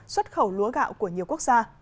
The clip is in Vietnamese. xuất khẩu lúa gạo của nhiều quốc gia